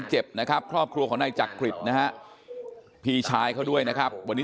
เจ็บนะครับครอบครัวของนายจักริตนะฮะพี่ชายเขาด้วยนะครับวันนี้